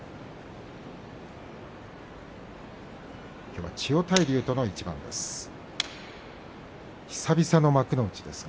きょうは千代大龍との一番です。